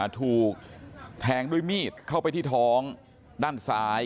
ถูกแทงด้วยมีดเข้าไปที่ท้องด้านซ้าย